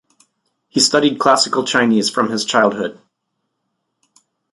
He studied Classical Chinese from his childhood.